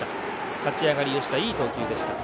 立ち上がり、いい投球でした。